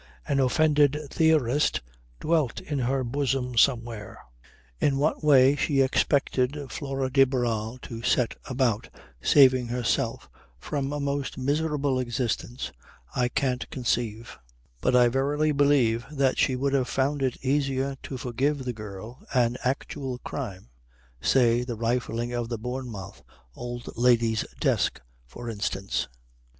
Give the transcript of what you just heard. An offended theorist dwelt in her bosom somewhere. In what way she expected Flora de Barral to set about saving herself from a most miserable existence I can't conceive; but I verify believe that she would have found it easier to forgive the girl an actual crime; say the rifling of the Bournemouth old lady's desk, for instance.